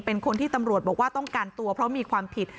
เป็นคนที่ตำรวจบอกว่าต้องการตัวเพราะมีความผิด